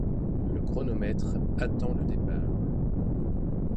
le chronomètre attend le départ !